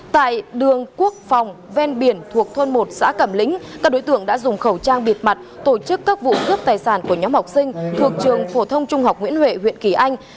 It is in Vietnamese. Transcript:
tại đường quốc phòng ven biển thuộc thôn một xã cẩm lĩnh các đối tượng đã dùng khẩu trang bịt mặt tổ chức các vụ cướp tài sản của nhóm học sinh thuộc trường phổ thông trung học nguyễn huệ huyện kỳ anh